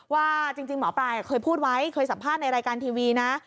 ว่าจริงหมอปลายเคยพูดไว้เคยสัมภาษณ์ในรายการทีวีนะ